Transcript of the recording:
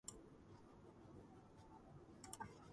ტექტონიკური სტრუქტურების შესაბამისად განარჩევენ ნაოჭა და ლოდა მთებს.